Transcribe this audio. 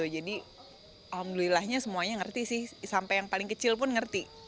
jadi alhamdulillahnya semuanya ngerti sih sampai yang paling kecil pun ngerti